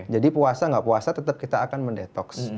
jadi puasa nggak puasa tetap kita akan mendetoks